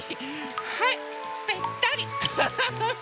はいべったり。